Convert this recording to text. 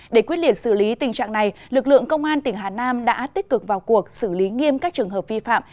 để quyết liệt xử lý tình trạng này lực lượng công an tỉnh hà nam đã tích cực vào cuộc xử lý nghiêm các trường hợp vi phạm